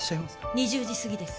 ２０時すぎです